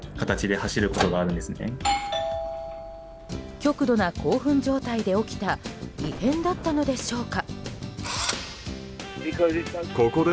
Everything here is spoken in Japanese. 極度な興奮状態で起きた異変だったのでしょうか。